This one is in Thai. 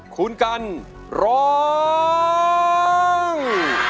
คุณกันร้อง